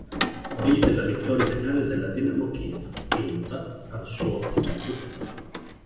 Vide la vittoria finale della Dinamo Kiev, giunta al suo quinto titolo.